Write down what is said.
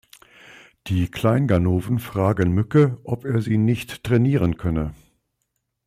Die Kleinganoven fragen Mücke, ob er sie nicht trainieren könne.